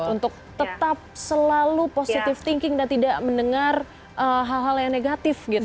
untuk tetap selalu positif thinking dan tidak mendengar hal hal yang negatif gitu